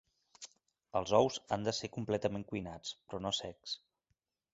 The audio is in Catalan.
Els ous han de ser completament cuinats, però no secs.